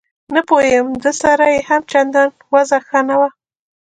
نه پوهېږم ده سره یې هم چندان وضعه ښه نه وه.